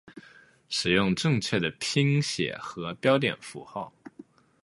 使用正确的拼写和标点符号